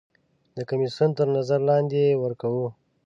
د کمیسیون تر نظر لاندې یې ورکوو.